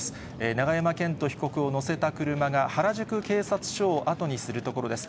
永山絢斗被告を乗せた車が、原宿警察署を後にするところです。